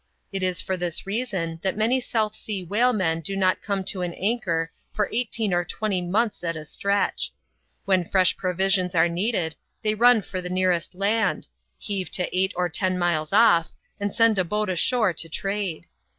It is for this reason, that many South Sea whalemen do not come to an anchor for eighteen or twenty months on a stretch. When fresh provisions are needed, they run for the nearest land — heave to eight or ten miles off, and send a boat ashore to trade.